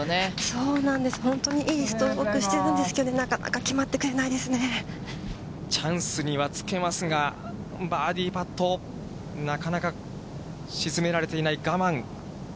そうなんです、本当に、いいストロークしてるんですけれども、なかなか決まってチャンスにはつけますが、バーディーパット、なかなか沈められていない、我慢。